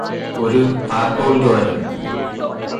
ഒരു താക്കോല്ദ്വാരം